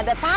oh ya sudah